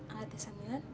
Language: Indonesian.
alat tes kehamilan